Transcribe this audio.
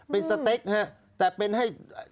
เป็นสเต็กต์ครับแต่เป็นให้